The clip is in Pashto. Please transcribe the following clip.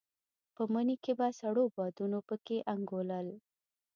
په مني کې به سړو بادونو په کې انګولل.